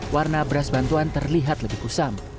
warna beras bantuan terlihat lebih kusam